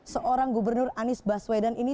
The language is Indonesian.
seorang gubernur anies baswedan ini